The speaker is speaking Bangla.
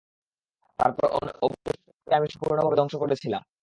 তারপর অবশিষ্টদেরকে আমি সম্পূর্ণভাবে ধ্বংস করেছিলাম।